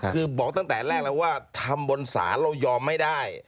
คือบอกตั้งแต่แรกแล้วว่าทำบนศาลเรายอมไม่ได้